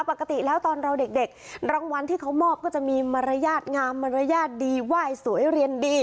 ปกติแล้วตอนเราเด็กรางวัลที่เขามอบก็จะมีมารยาทงามมารยาทดีไหว้สวยเรียนดี